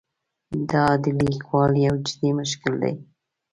دا د لیکوالو یو جدي مشکل دی.